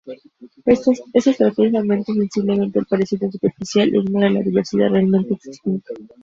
Esa estrategia aumenta sensiblemente el parecido superficial e ignora la diversidad realmente existente.